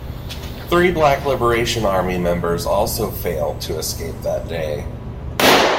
Three Black Liberation Army members also failed to escape that day.